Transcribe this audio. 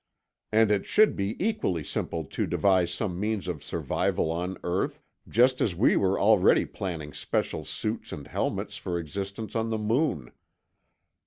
And it should be equally simple to devise some means of survival on earth, just as we were already planning special suits and helmets for existence on the moon.